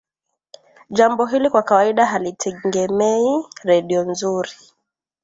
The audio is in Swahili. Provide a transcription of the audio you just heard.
jambo hili kwa kawaida halitengemei redio nzuri